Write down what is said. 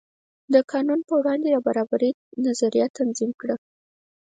د قانون په وړاندې د برابرۍ نظریه تنظیم کړه.